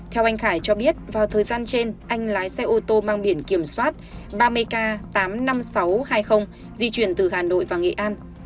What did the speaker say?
theo anh khải cho biết vào thời gian trên anh lái xe ô tô mang biển kiểm soát ba mươi k tám mươi năm nghìn sáu trăm hai mươi di chuyển từ hà nội và nghệ an